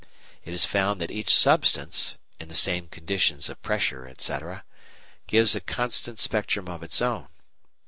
It is found that each substance (in the same conditions of pressure, etc.) gives a constant spectrum of its own.